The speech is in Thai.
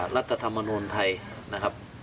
รัฐธรรมนุนไทย